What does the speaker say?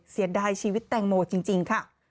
เสียดายชีวิตแตงโมจริงค่ะ